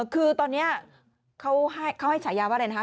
คือตอนนี้เขาให้ฉายาว่าอะไรนะคะ